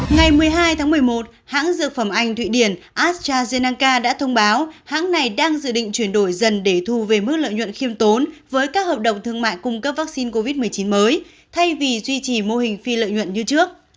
ngày một mươi hai tháng một mươi một hãng dược phẩm anh thụy điển astrazeneca đã thông báo hãng này đang dự định chuyển đổi dần để thu về mức lợi nhuận khiêm tốn với các hợp đồng thương mại cung cấp vaccine covid một mươi chín mới thay vì duy trì mô hình phi lợi nhuận như trước